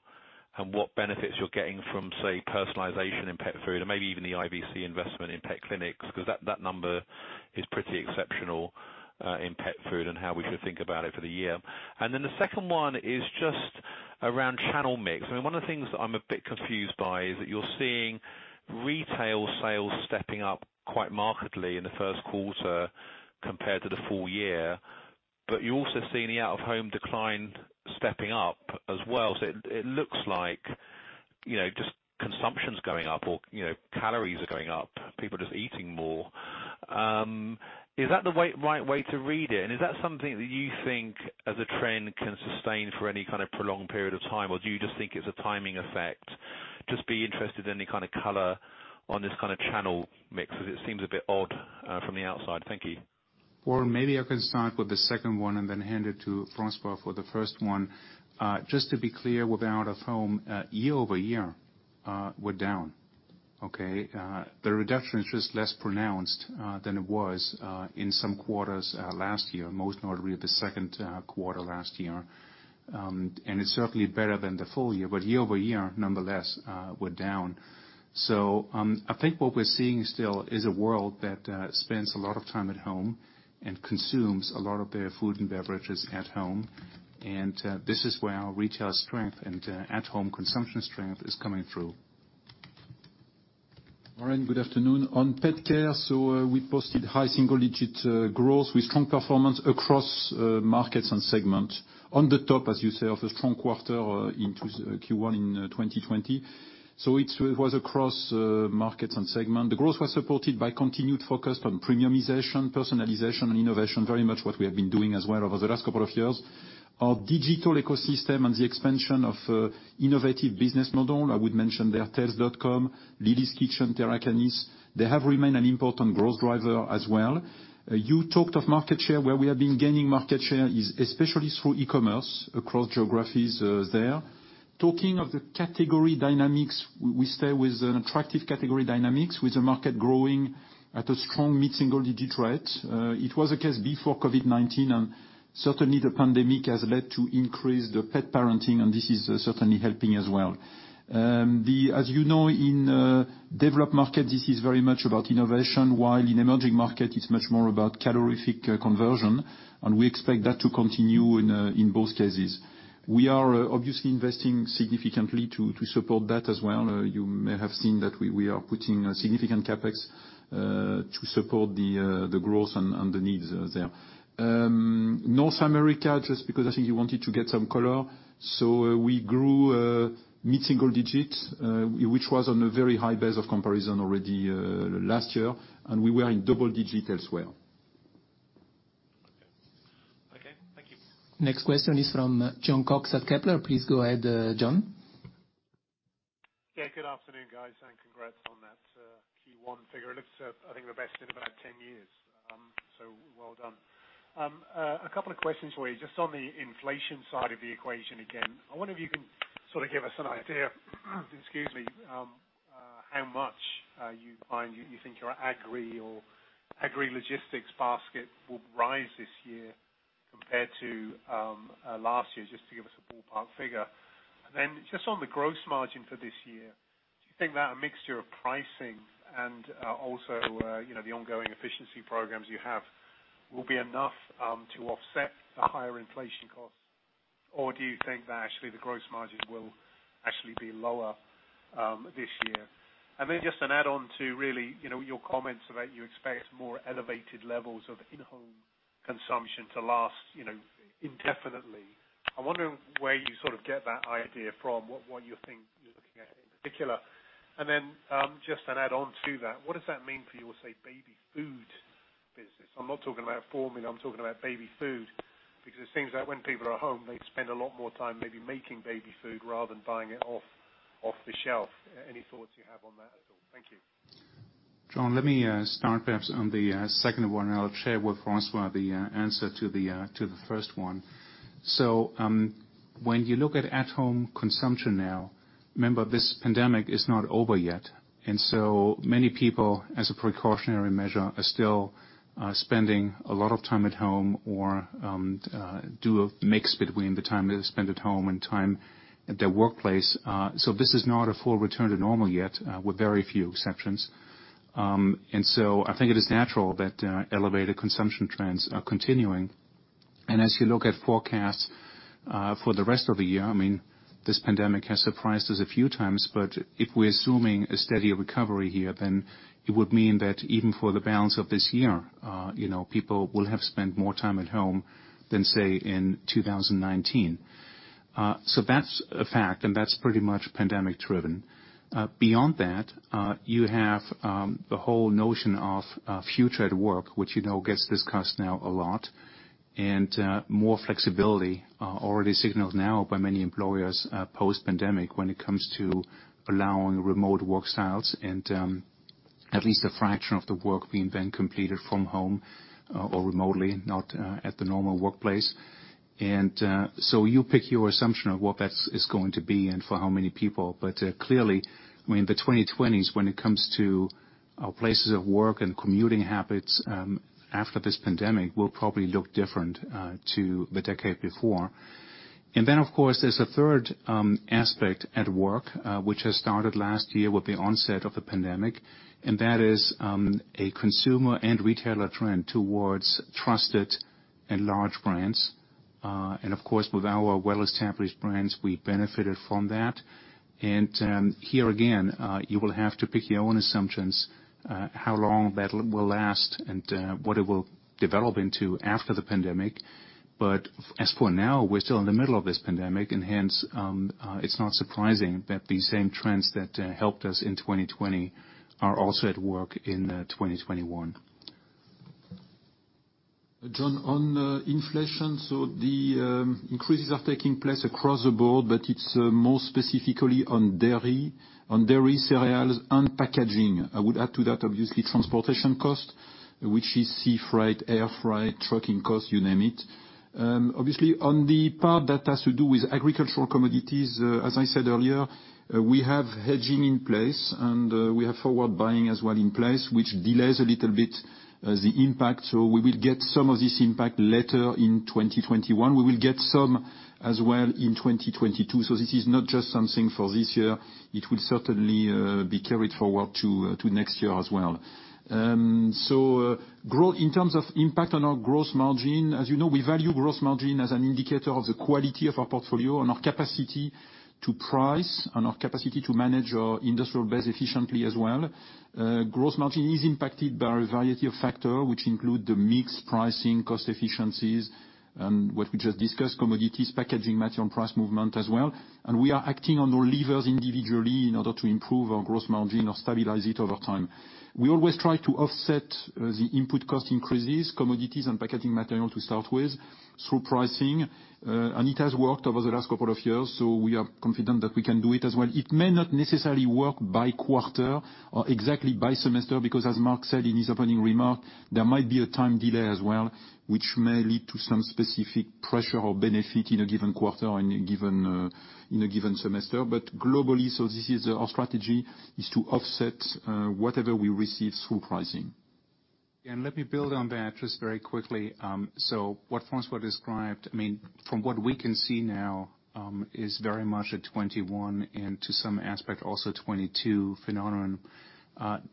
Speaker 7: and what benefits you're getting from, say, personalization in pet food or maybe even the IVC investment in pet clinics, because that number is pretty exceptional in pet food and how we should think about it for the year. The second one is just around channel mix. One of the things that I'm a bit confused by is that you're seeing retail sales stepping up quite markedly in the first quarter compared to the full year, but you're also seeing the out-of-home decline stepping up as well. It looks like just consumption's going up or calories are going up, people just eating more. Is that the right way to read it? Is that something that you think as a trend can sustain for any kind of prolonged period of time, or do you just think it's a timing effect? Just be interested in any kind of color on this kind of channel mix, because it seems a bit odd from the outside. Thank you.
Speaker 2: Warren, maybe I can start with the second one and then hand it to François for the first one. Just to be clear, with the out-of-home, year-over-year, we're down. The reduction is just less pronounced than it was in some quarters last year, most notably the second quarter last year. It's certainly better than the full year, but year-over-year, nonetheless, we're down. I think what we're seeing still is a world that spends a lot of time at home and consumes a lot of their food and beverages at home. This is where our retail strength and at-home consumption strength is coming through.
Speaker 3: Warren, good afternoon. On PetCare, we posted high single-digit growth with strong performance across markets and segment. On the top, as you say, of a strong quarter into Q1 in 2020. It was across markets and segment. The growth was supported by continued focus on premiumization, personalization and innovation, very much what we have been doing as well over the last couple of years. Our digital ecosystem and the expansion of innovative business model, I would mention there Tails.com, Lily's Kitchen, Terra Canis, they have remained an important growth driver as well. You talked of market share. Where we have been gaining market share is especially through e-commerce across geographies there. Talking of the category dynamics, we stay with an attractive category dynamics with the market growing at a strong mid-single digit rate. It was the case before COVID-19, and certainly the pandemic has led to increased pet parenting, and this is certainly helping as well. As you know, in developed market, this is very much about innovation, while in emerging market, it's much more about calorific conversion, and we expect that to continue in both cases. We are obviously investing significantly to support that as well. You may have seen that we are putting significant CapEx to support the growth and the needs there. North America, just because I think you wanted to get some color. We grew mid-single digits, which was on a very high base of comparison already last year, and we were in double-digit elsewhere.
Speaker 7: Okay. Thank you.
Speaker 1: Next question is from Jon Cox at Kepler. Please go ahead, Jon.
Speaker 8: Good afternoon, guys. Congrats on that Q1 figure. It looks, I think, the best in about 10 years. Well done. A couple of questions for you. Just on the inflation side of the equation again, I wonder if you can sort of give us an idea, excuse me, how much you think your agri or agri logistics basket will rise this year compared to last year, just to give us a ballpark figure. Just on the gross margin for this year, do you think that a mixture of pricing and also the ongoing efficiency programs you have will be enough to offset the higher inflation costs? Do you think that actually the gross margin will actually be lower this year? Just an add-on to really your comments about you expect more elevated levels of in-home consumption to last indefinitely. I wonder where you sort of get that idea from, what you think you're looking at in particular. Just an add-on to that, what does that mean for your, say, baby food business? I'm not talking about formula, I'm talking about baby food. It seems that when people are home, they spend a lot more time maybe making baby food rather than buying it off the shelf. Any thoughts you have on that at all? Thank you.
Speaker 2: Jon, let me start perhaps on the second one, I'll share with François the answer to the first one. When you look at at-home consumption now, remember this pandemic is not over yet. Many people, as a precautionary measure, are still spending a lot of time at home or do a mix between the time they spend at home and time at their workplace. This is not a full return to normal yet, with very few exceptions. I think it is natural that elevated consumption trends are continuing. As you look at forecasts for the rest of the year, this pandemic has surprised us a few times, but if we're assuming a steady recovery here, then it would mean that even for the balance of this year people will have spent more time at home than, say, in 2019. That's a fact, and that's pretty much pandemic driven. Beyond that, you have the whole notion of future at work, which you know gets discussed now a lot. More flexibility already signaled now by many employers post-pandemic when it comes to allowing remote work styles and at least a fraction of the work being then completed from home or remotely, not at the normal workplace. You pick your assumption of what that is going to be and for how many people. Clearly, in the 2020s, when it comes to our places of work and commuting habits after this pandemic, will probably look different to the decade before. Then, of course, there's a third aspect at work, which has started last year with the onset of the pandemic, and that is a consumer and retailer trend towards trusted and large brands. Of course, with our well-established brands, we benefited from that. Here again, you will have to pick your own assumptions, how long that will last and what it will develop into after the pandemic. As for now, we're still in the middle of this pandemic, and hence, it's not surprising that the same trends that helped us in 2020 are also at work in 2021.
Speaker 3: Jon, on inflation, the increases are taking place across the board, but it's more specifically on dairy, cereals, and packaging. I would add to that, obviously, transportation cost, which is sea freight, air freight, trucking costs, you name it. Obviously, on the part that has to do with agricultural commodities, as I said earlier, we have hedging in place and we have forward buying as well in place, which delays a little bit the impact. We will get some of this impact later in 2021. We will get some as well in 2022. This is not just something for this year. It will certainly be carried forward to next year as well. In terms of impact on our gross margin, as you know, we value gross margin as an indicator of the quality of our portfolio and our capacity to price and our capacity to manage our industrial base efficiently as well. Gross margin is impacted by a variety of factors, which include the mix pricing, cost efficiencies, and what we just discussed, commodities, packaging, material price movement as well. We are acting on our levers individually in order to improve our gross margin or stabilize it over time. We always try to offset the input cost increases, commodities and packaging material to start with, through pricing. It has worked over the last couple of years, so we are confident that we can do it as well. It may not necessarily work by quarter or exactly by semester, because as Mark said in his opening remark, there might be a time delay as well, which may lead to some specific pressure or benefit in a given quarter or in a given semester. Globally, this is our strategy, is to offset whatever we receive through pricing.
Speaker 2: Let me build on that just very quickly. What François described, from what we can see now, is very much a 2021 and to some aspect, also 2022 phenomenon.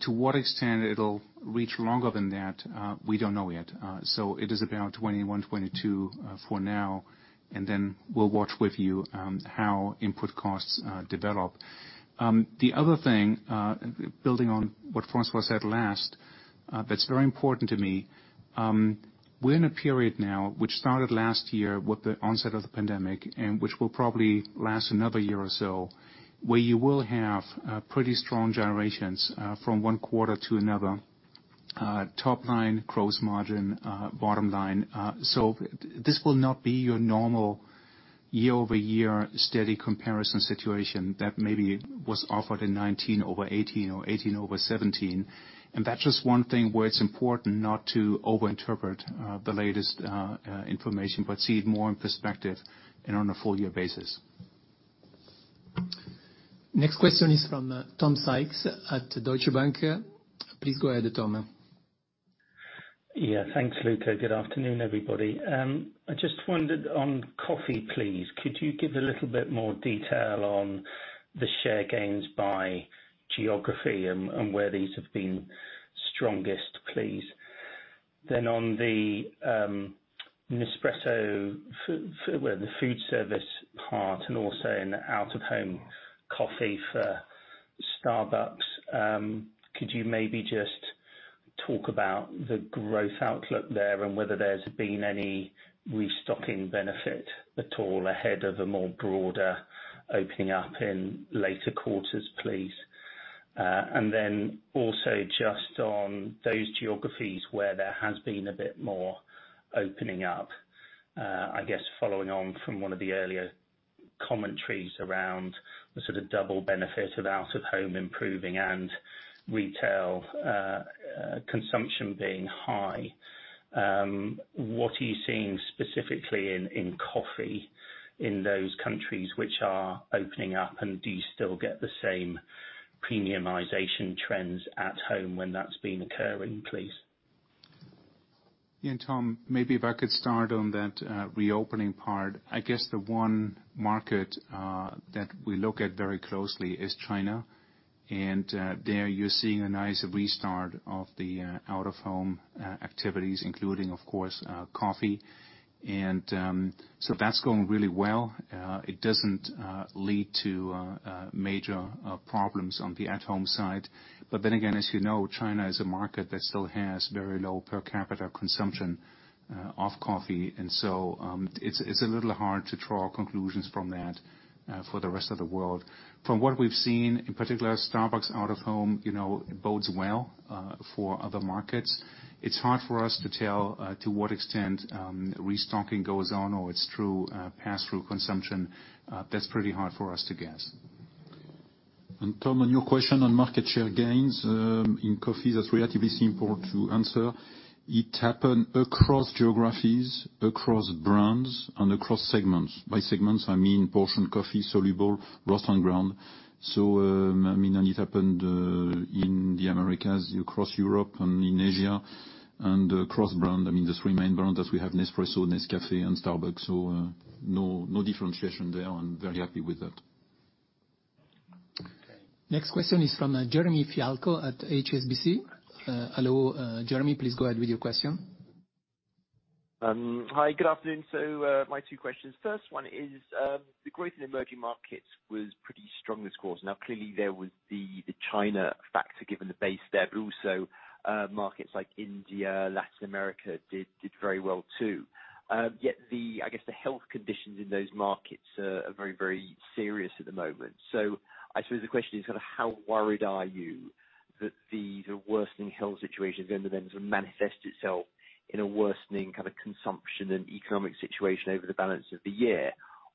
Speaker 2: To what extent it'll reach longer than that, we don't know yet. It is about 2021, 2022 for now, and then we'll watch with you how input costs develop. The other thing, building on what François said last, that's very important to me, we're in a period now, which started last year with the onset of the pandemic and which will probably last another year or so, where you will have pretty strong gyrations from one quarter to another. Top line, gross margin, bottom line. This will not be your normal year-over-year steady comparison situation that maybe was offered in 2019 over 2018, or 2018 over 2017. That's just one thing where it's important not to overinterpret the latest information, but see it more in perspective and on a full year basis.
Speaker 1: Next question is from Tom Sykes at Deutsche Bank. Please go ahead, Tom.
Speaker 9: Yeah. Thanks, Luca. Good afternoon, everybody. I just wondered on coffee, please, could you give a little bit more detail on the share gains by geography and where these have been strongest, please? On the Nespresso, the food service part and also in out-of-home coffee for Starbucks, could you maybe just talk about the growth outlook there and whether there's been any restocking benefit at all ahead of a more broader opening up in later quarters, please? Also just on those geographies where there has been a bit more opening up, I guess following on from one of the earlier commentaries around the sort of double benefit of out-of-home improving and retail consumption being high. What are you seeing specifically in coffee in those countries which are opening up? Do you still get the same premiumization trends at home when that's been occurring, please?
Speaker 2: Yeah, Tom, maybe if I could start on that reopening part. I guess the one market that we look at very closely is China. There you're seeing a nice restart of the out-of-home activities, including, of course, coffee. That's going really well. It doesn't lead to major problems on the at home side. As you know, China is a market that still has very low per capita consumption of coffee. It's a little hard to draw conclusions from that, for the rest of the world. From what we've seen, in particular, Starbucks out-of-home bodes well for other markets. It's hard for us to tell to what extent restocking goes on or it's through pass-through consumption. That's pretty hard for us to guess.
Speaker 3: Tom, on your question on market share gains in coffee, that's relatively simple to answer. It happened across geographies, across brands and across segments. By segments, I mean portion coffee, soluble, roast and ground. It happened in the Americas, across Europe and in Asia. Across brand, I mean the three main brands that we have, Nespresso, Nescafé and Starbucks. No differentiation there, and very happy with that.
Speaker 9: Okay.
Speaker 1: Next question is from Jeremy Fialko at HSBC. Hello, Jeremy, please go ahead with your question.
Speaker 10: Hi, good afternoon. My two questions. First one is, the growth in emerging markets was pretty strong this quarter. Clearly there was the China factor, given the base there, but also, markets like India, Latin America did very well too. The, I guess, the health conditions in those markets are very serious at the moment. I suppose the question is sort of how worried are you that the sort of worsening health situation is then going to then sort of manifest itself in a worsening kind of consumption and economic situation over the balance of the year?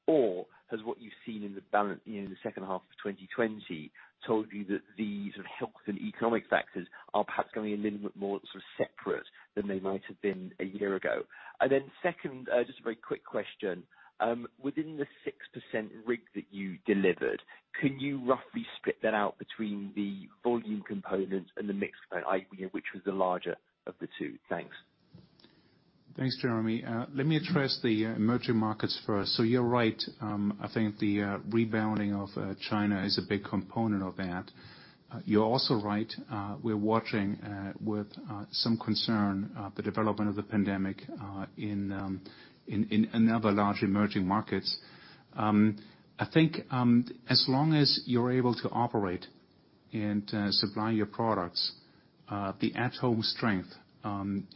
Speaker 10: Or has what you've seen in the second half of 2020 told you that the sort of health and economic factors are perhaps going to be a little bit more sort of separate than they might have been a year ago? Second, just a very quick question. Within the 6% RIG that you delivered, could you roughly split that out between the volume component and the mix component? Which was the larger of the two? Thanks.
Speaker 2: Thanks, Jeremy. Let me address the emerging markets first. You're right, I think the rebounding of China is a big component of that. You're also right, we're watching with some concern the development of the pandemic in other large emerging markets. I think as long as you're able to operate and supply your products, the at home strength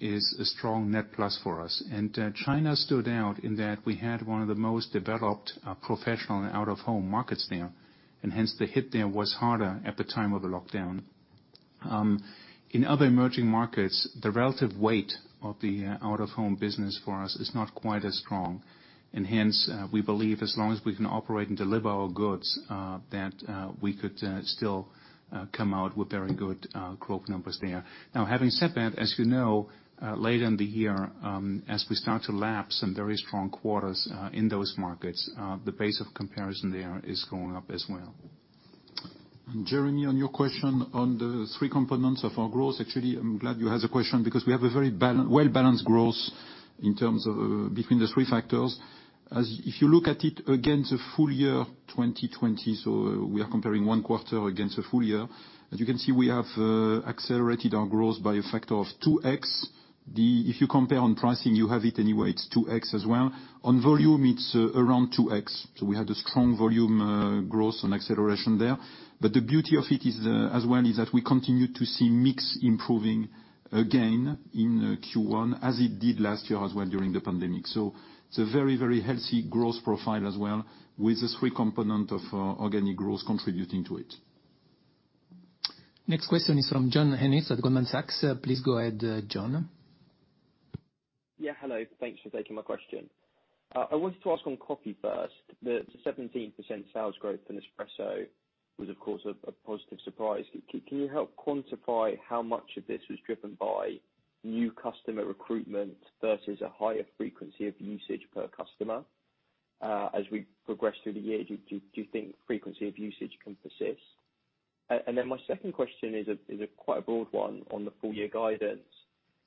Speaker 2: is a strong net plus for us. China stood out in that we had one of the most developed professional out-of-home markets there, and hence the hit there was harder at the time of the lockdown. In other emerging markets, the relative weight of the out-of-home business for us is not quite as strong. Hence, we believe as long as we can operate and deliver our goods, that we could still come out with very good growth numbers there. Now, having said that, as you know, later in the year, as we start to lapse some very strong quarters in those markets, the base of comparison there is going up as well.
Speaker 3: Jeremy, on your question on the three components of our growth, actually, I'm glad you asked the question because we have a very well-balanced growth in terms of between the three factors. If you look at it against the full year 2020, we are comparing one quarter against a full year. As you can see, we have accelerated our growth by a factor of 2x. If you compare on pricing, you have it anyway, it's 2x as well. On volume, it's around 2x. We had a strong volume growth and acceleration there. The beauty of it as well is that we continue to see mix improving again in Q1 as it did last year as well during the pandemic. It's a very healthy growth profile as well with the three component of organic growth contributing to it.
Speaker 1: Next question is from John Ennis at Goldman Sachs. Please go ahead, John.
Speaker 11: Yeah. Hello. Thanks for taking my question. I wanted to ask on coffee first. The 17% sales growth for Nespresso was, of course, a positive surprise. Can you help quantify how much of this was driven by new customer recruitment versus a higher frequency of usage per customer? As we progress through the year, do you think frequency of usage can persist? My second question is quite a broad one on the full year guidance.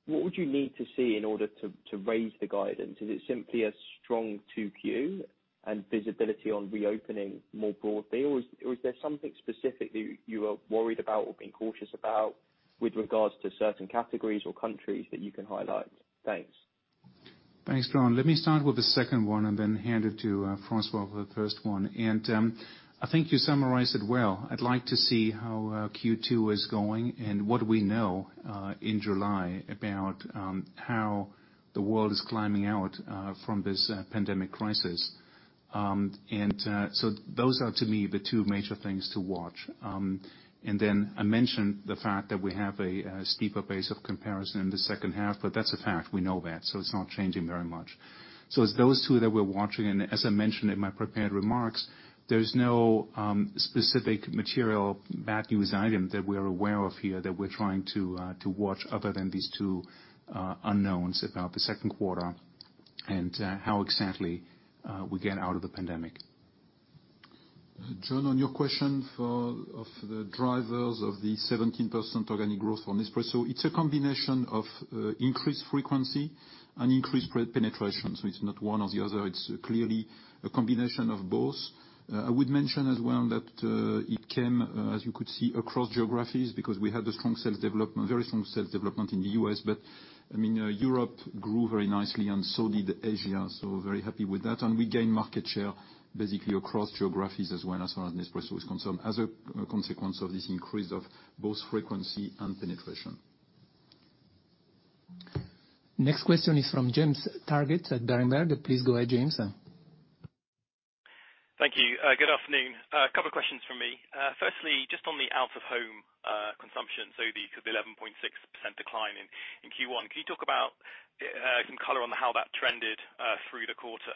Speaker 11: What would you need to see in order to raise the guidance? Is it simply a strong 2Q and visibility on reopening more broadly, or is there something specifically you are worried about or being cautious about with regards to certain categories or countries that you can highlight? Thanks.
Speaker 2: Thanks, John. Let me start with the second one and then hand it to François for the first one. I think you summarized it well. I'd like to see how Q2 is going and what we know in July about how the world is climbing out from this pandemic crisis. Those are, to me, the two major things to watch. I mentioned the fact that we have a steeper base of comparison in the second half, but that's a fact. We know that, it's not changing very much. It's those two that we're watching, and as I mentioned in my prepared remarks, there's no specific material bad news item that we're aware of here that we're trying to watch other than these two unknowns about the second quarter and how exactly we get out of the pandemic.
Speaker 3: John, on your question of the drivers of the 17% organic growth for Nespresso, it's a combination of increased frequency and increased penetration. It's not one or the other. It's clearly a combination of both. I would mention as well that it came, as you could see, across geographies because we had a very strong sales development in the U.S. Europe grew very nicely, and so did Asia. Very happy with that. We gained market share basically across geographies as well, as far as Nespresso is concerned, as a consequence of this increase of both frequency and penetration.
Speaker 1: Next question is from James Targett at Berenberg. Please go ahead, James.
Speaker 12: Thank you. Good afternoon. A couple questions from me. Firstly, just on the out-of-home consumption, so the 11.6% decline in Q1, can you talk about some color on how that trended through the quarter?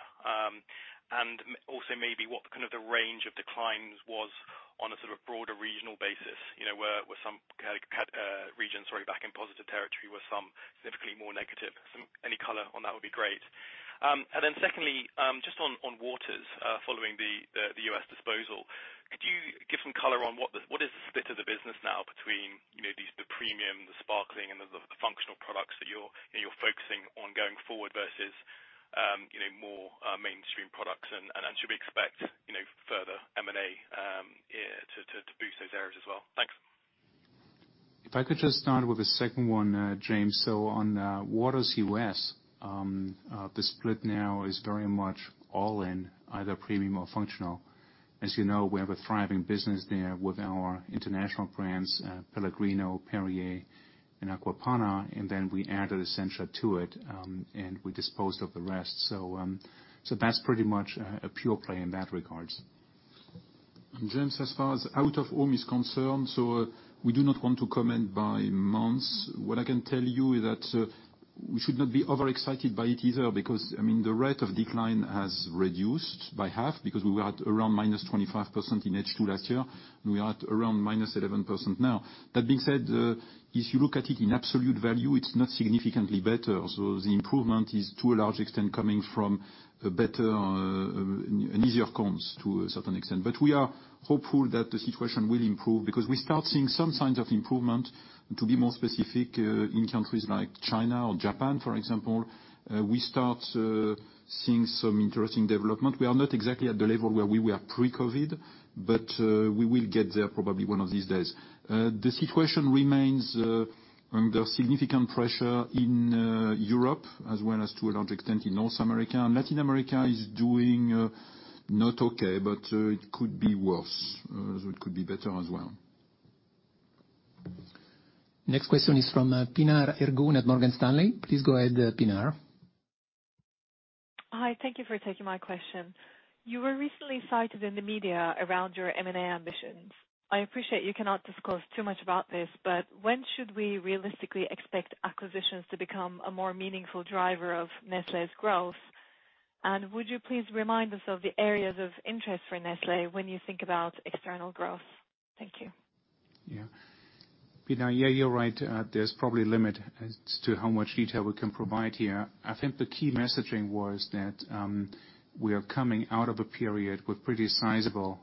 Speaker 12: Also maybe what the range of declines was on a sort of broader regional basis, where some regions were back in positive territory, were some significantly more negative. Any color on that would be great. Secondly, just on waters, following the U.S. disposal, could you give some color on what is the split of the business now between the premium, the sparkling and the functional products that you're focusing on going forward versus more mainstream products and should we expect further M&A to boost those areas as well? Thanks.
Speaker 2: If I could just start with the second one, James. On waters U.S., the split now is very much all in either premium or functional. As you know, we have a thriving business there with our international brands, Pellegrino, Perrier and Acqua Panna, and then we added Essentia to it, and we disposed of the rest. That's pretty much a pure play in that regard.
Speaker 3: James, as far as out-of-home is concerned, we do not want to comment by months. What I can tell you is that we should not be overexcited by it either, because the rate of decline has reduced by half because we were at around -25% in H2 last year, and we are at around -11% now. That being said, if you look at it in absolute value, it's not significantly better. The improvement is to a large extent coming from a better and easier comps to a certain extent. We are hopeful that the situation will improve because we start seeing some signs of improvement, to be more specific, in countries like China or Japan, for example. We start seeing some interesting development. We are not exactly at the level where we were pre-COVID, but we will get there probably one of these days. The situation remains, there's significant pressure in Europe as well as to a large extent in North America. Latin America is doing not okay, but it could be worse. It could be better as well.
Speaker 1: Next question is from Pinar Ergun at Morgan Stanley. Please go ahead, Pinar.
Speaker 13: Hi. Thank you for taking my question. You were recently cited in the media around your M&A ambitions. I appreciate you cannot disclose too much about this, but when should we realistically expect acquisitions to become a more meaningful driver of Nestlé's growth? Would you please remind us of the areas of interest for Nestlé when you think about external growth? Thank you.
Speaker 2: Pinar, yeah, you're right. There's probably a limit as to how much detail we can provide here. I think the key messaging was that we are coming out of a period with pretty sizable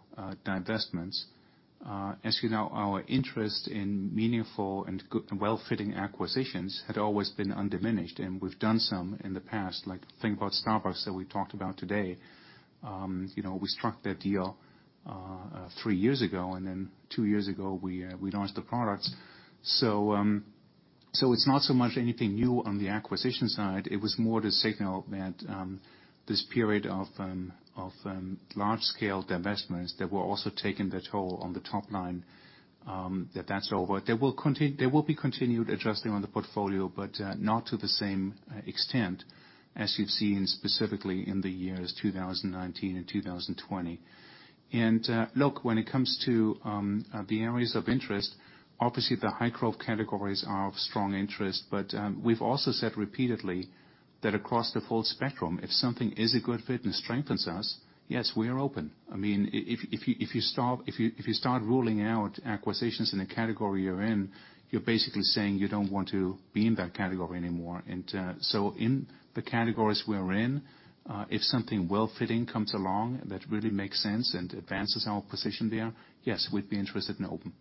Speaker 2: divestments. As you know, our interest in meaningful and well-fitting acquisitions had always been undiminished, and we've done some in the past, like think about Starbucks that we talked about today. We struck that deal three years ago, then two years ago we launched the products. It's not so much anything new on the acquisition side. It was more the signal that this period of large scale divestments that were also taking their toll on the top line, that that's over. There will be continued adjusting on the portfolio, but not to the same extent as you've seen specifically in the years 2019 and 2020. Look, when it comes to the areas of interest, obviously the high growth categories are of strong interest. We've also said repeatedly that across the full spectrum, if something is a good fit and strengthens us, yes, we are open. If you start ruling out acquisitions in a category you're in, you're basically saying you don't want to be in that category anymore. In the categories we're in, if something well-fitting comes along that really makes sense and advances our position there, yes, we'd be interested and open.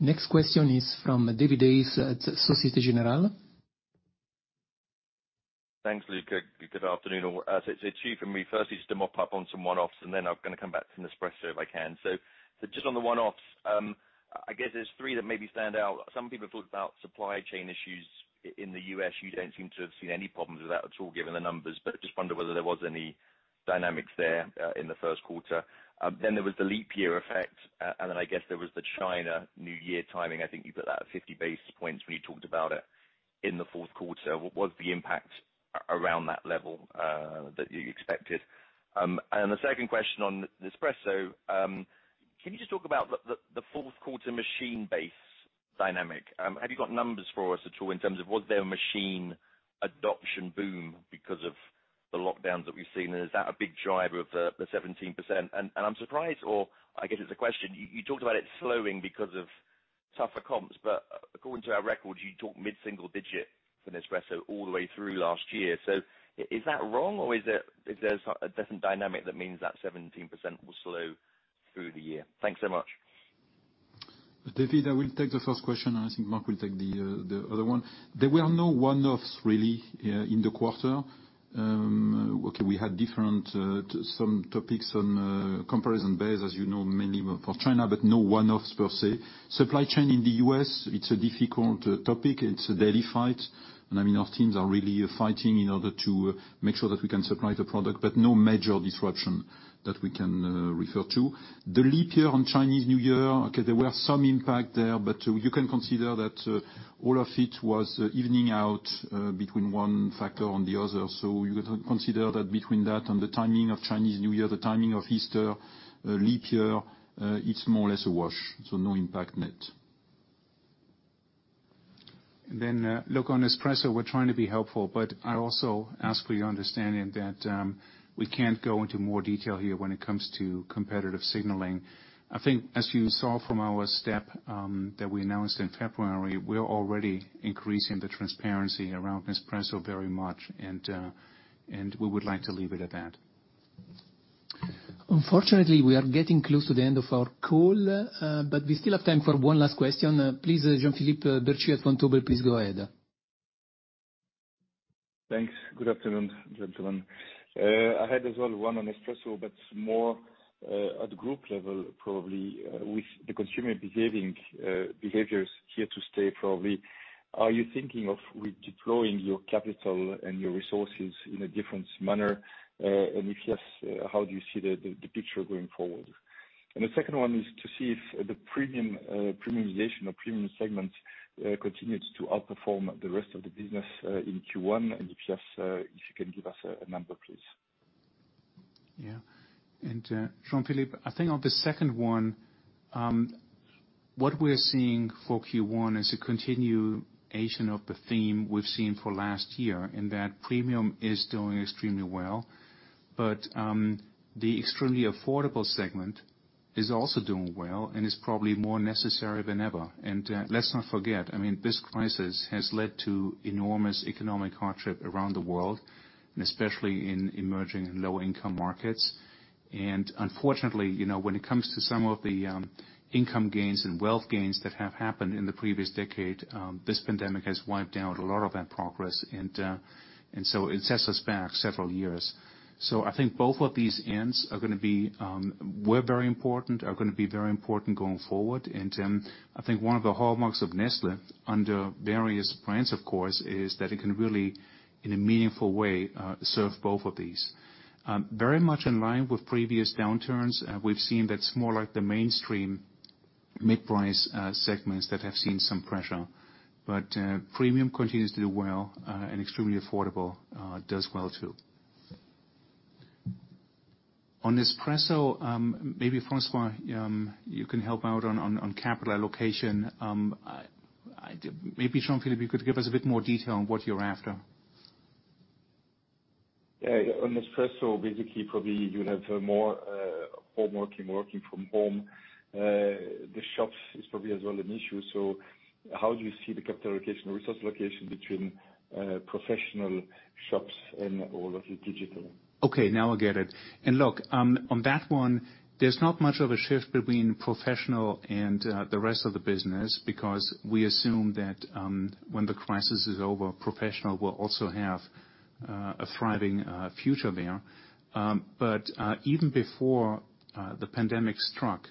Speaker 1: Next question is from David Hayes at Société Générale.
Speaker 14: Thanks, Luca. Good afternoon, all. It's two from me. Firstly, just to mop up on some one-offs, and then I'm going to come back to Nespresso if I can. Just on the one-offs, I guess there's three that maybe stand out. Some people have talked about supply chain issues in the U.S. You don't seem to have seen any problems with that at all, given the numbers, but just wonder whether there was any dynamics there in the first quarter. Then there was the leap year effect, and then I guess there was the China New Year timing. I think you put that at 50 basis points when you talked about it in the fourth quarter. What was the impact around that level that you expected? The second question on Nespresso, can you just talk about the fourth quarter machine base dynamic? Have you got numbers for us at all in terms of was there a machine adoption boom because of the lockdowns that we've seen, and is that a big driver of the 17%? I'm surprised, or I guess it's a question, you talked about it slowing because of tougher comps, but according to our records, you talked mid-single digit for Nespresso all the way through last year. Is that wrong, or is there a different dynamic that means that 17% will slow through the year? Thanks so much.
Speaker 3: David, I will take the first question, and I think Mark will take the other one. There were no one-offs really in the quarter. Okay, we had some topics on comparison base, as you know, mainly for China, but no one-offs per se. Supply chain in the U.S., it's a difficult topic. It's a daily fight. Our teams are really fighting in order to make sure that we can supply the product, but no major disruption that we can refer to. The leap year on Chinese New Year, okay, there were some impact there, but you can consider that all of it was evening out between one factor and the other. You consider that between that and the timing of Chinese New Year, the timing of Easter, leap year, it's more or less a wash, so no impact net.
Speaker 2: Look, on Nespresso, we're trying to be helpful, but I also ask for your understanding that we can't go into more detail here when it comes to competitive signaling. I think as you saw from our step that we announced in February, we're already increasing the transparency around Nespresso very much, we would like to leave it at that.
Speaker 1: Unfortunately, we are getting close to the end of our call. We still have time for one last question. Please, Jean-Philippe Bertschy at Vontobel, please go ahead.
Speaker 15: Thanks. Good afternoon, gentlemen. I had as well one on Nespresso, but more at group level, probably with the consumer behaviors here to stay probably. Are you thinking of redeploying your capital and your resources in a different manner? If yes, how do you see the picture going forward? The second one is to see if the premiumization or premium segment continues to outperform the rest of the business in Q1, and if yes, if you can give us a number, please.
Speaker 2: Yeah. Jean-Philippe, I think on the second one, what we're seeing for Q1 is a continuation of the theme we've seen for last year in that premium is doing extremely well. The extremely affordable segment is also doing well and is probably more necessary than ever. Let's not forget, this crisis has led to enormous economic hardship around the world, and especially in emerging and low-income markets. Unfortunately, when it comes to some of the income gains and wealth gains that have happened in the previous decade, this pandemic has wiped out a lot of that progress. It sets us back several years. I think both of these ends were very important, are going to be very important going forward. I think one of the hallmarks of Nestlé under various brands, of course, is that it can really, in a meaningful way, serve both of these. Very much in line with previous downturns, we've seen that it's more like the mainstream mid-price segments that have seen some pressure. Premium continues to do well, and extremely affordable does well too. On Nespresso, maybe François, you can help out on capital allocation. Maybe Jean-Philippe, you could give us a bit more detail on what you're after.
Speaker 15: On Nespresso, basically, probably you have more home working from home. The shops is probably as well an issue. How do you see the capital allocation, resource allocation between professional shops and all of the digital?
Speaker 2: Okay, now I get it. Look, on that one, there's not much of a shift between Professional and the rest of the business because we assume that when the crisis is over, Professional will also have a thriving future there. Even before the pandemic struck,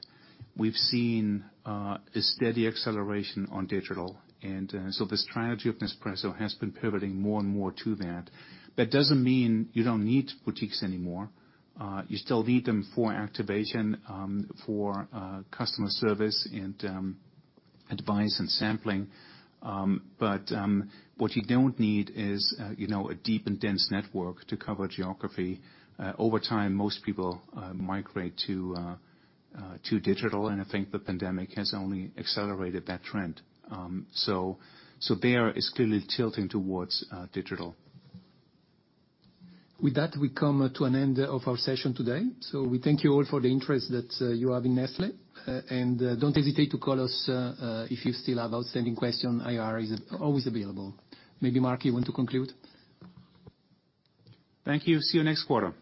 Speaker 2: we've seen a steady acceleration on digital. The strategy of Nespresso has been pivoting more and more to that. That doesn't mean you don't need boutiques anymore. You still need them for activation, for customer service, and advice and sampling. What you don't need is a deep and dense network to cover geography. Over time, most people migrate to digital, and I think the pandemic has only accelerated that trend. There it's clearly tilting towards digital.
Speaker 1: With that, we come to an end of our session today. We thank you all for the interest that you have in Nestlé. Don't hesitate to call us if you still have outstanding question. IR is always available. Maybe Mark, you want to conclude?
Speaker 2: Thank you. See you next quarter.